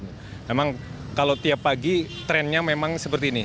memang kalau tiap pagi trennya memang seperti ini